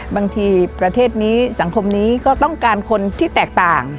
ประเทศนี้สังคมนี้ก็ต้องการคนที่แตกต่าง